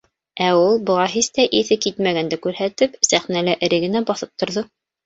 Ә ул, быға һис тә иҫе китмәгәнде күрһәтеп, сәхнәлә эре генә баҫып торҙо.